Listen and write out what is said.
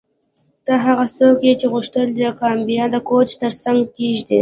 ته هغه څوک یې چې غوښتل دې کابینه د کوچ ترڅنګ کیږدې